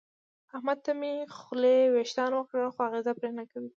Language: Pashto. احمد ته مې خولې وېښتان وکړل خو اغېزه پرې نه کوي.